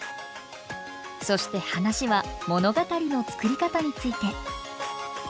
そして話は物語の作り方について。